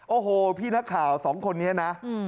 โอ้โหพี่นักข่าวสองคนนี้นะ